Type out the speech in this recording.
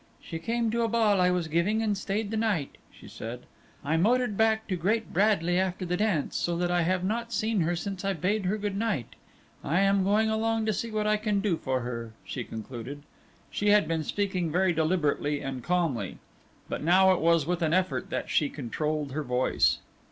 "She came to a ball I was giving, and stayed the night," she said. "I motored back to Great Bradley after the dance, so that I have not seen her since I bade her good night. I am going along to see what I can do for her," she concluded. She had been speaking very deliberately and calmly, but now it was with an effort that she controlled her voice.